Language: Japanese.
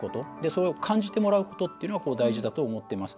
それを感じてもらうことが大事だと思っています。